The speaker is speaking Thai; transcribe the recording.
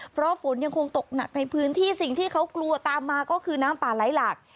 เพราะฝนยังคงตกหนักในพื้นที่สิ่งที่เขากลัวตามมาก็คือน้ำป่าไหลหลาก